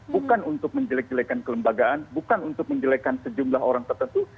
bukan untuk menjelek jelekan kelembagaan bukan untuk menjelekan sejumlah orang tertentu